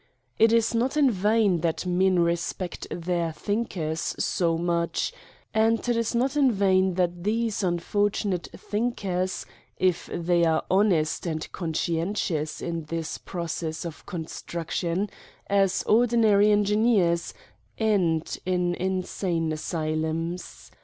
It is not in vain that men re spect their thinkers so much, and it is not in vain that these unfortunate thinkers, if they are honest and conscientious in this process of construction, as ordinary engineers, end in insane asylums.